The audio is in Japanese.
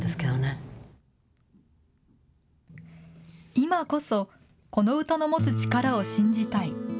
今こそこの歌の持つ力を信じたい。